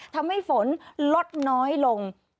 ทำให้ฝนลดน้อยลง